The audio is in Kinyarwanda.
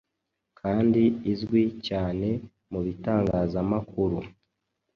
kandi uzwi cyane mubitangazamakuru